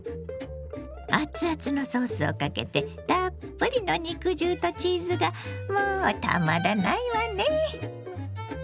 熱々のソースをかけてたっぷりの肉汁とチーズがもうたまらないわね！